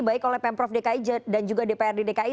baik oleh pemprov dki dan juga dprd dki